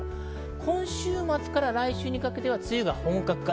今週末から来週にかけては梅雨が本格化。